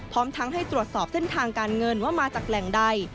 พร้อมทั้งให้ตรวจสอบเส้นทางการเงินว่ามาจากแหล่งใด